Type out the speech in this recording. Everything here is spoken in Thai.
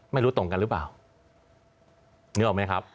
ไม่รู้ตรงกันหรือเปล่านึกออกไหมครับ